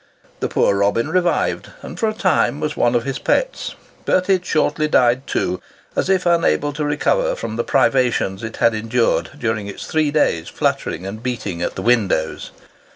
The poor robin revived, and for a time was one of his pets. But it shortly died too, as if unable to recover from the privations it had endured during its three days' fluttering and beating at the windows.